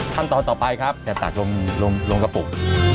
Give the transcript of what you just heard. ขั้นตอนต่อไปครับจะตักลงกระปุก